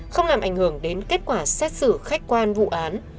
không làm ảnh hưởng đến kết quả xét xử khách quan vụ án